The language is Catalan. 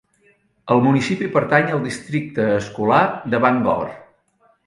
El municipi pertany al districte escolar de Bangor.